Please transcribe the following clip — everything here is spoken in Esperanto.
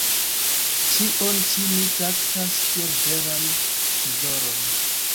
Ĉion ĉi mi traktas kiel veran trezoron.